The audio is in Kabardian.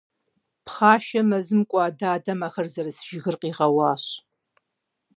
Пхъашэ мэзым кӀуа дадэм ахэр зэрыс жыгыр къигъэуащ.